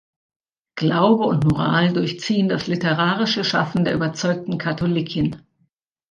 Glaube und Moral durchziehen das literarische Schaffen der überzeugten Katholikin.